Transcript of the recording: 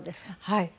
はい。